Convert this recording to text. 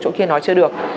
chỗ kia nói chưa được